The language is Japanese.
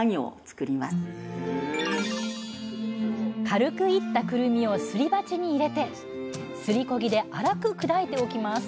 軽くいったくるみをすり鉢に入れてすりこぎで粗く砕いておきます